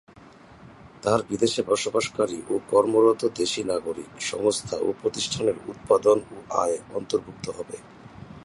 তবে বিদেশে বসবাসকারী ও কর্মরত দেশি নাগরিক, সংস্থা ও প্রতিষ্ঠানের উৎপাদন ও আয় অন্তর্ভুক্ত হবে।